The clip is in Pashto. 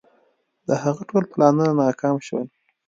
د هغه ټول پلانونه ناکام شول.